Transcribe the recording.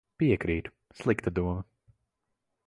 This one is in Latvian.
Piekrītu. Slikta doma.